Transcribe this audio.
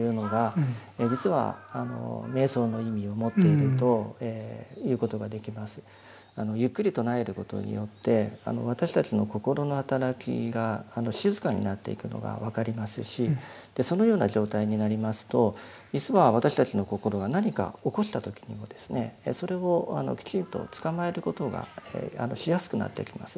今のようにゆっくり唱えることによって私たちの心の働きが静かになっていくのが分かりますしそのような状態になりますと実は私たちの心が何か起こした時にもそれをきちんとつかまえることがしやすくなっていきます。